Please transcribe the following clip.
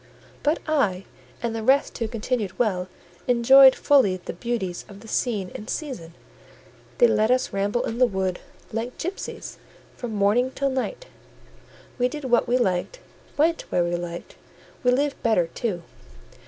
But I, and the rest who continued well, enjoyed fully the beauties of the scene and season; they let us ramble in the wood, like gipsies, from morning till night; we did what we liked, went where we liked: we lived better too.